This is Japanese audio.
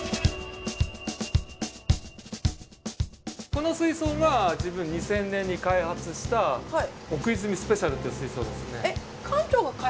この水槽が自分２０００年に開発した奥泉スペシャルという水槽ですね。